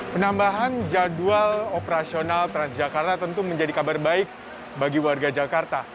penambahan jadwal operasional transjakarta tentu menjadi kabar baik bagi warga jakarta